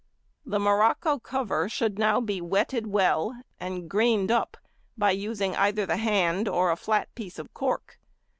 The morocco |92| cover should now be wetted well, and grained up by using either the hand or a flat piece of cork.